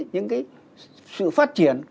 những cái sự phát triển